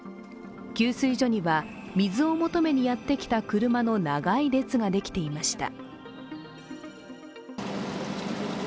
給水所には、水を求めにやってきた車の長い列ができていました。